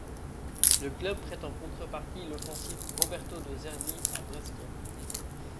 Le club prête en contre partie l'offensif Roberto De Zerbi à Brescia.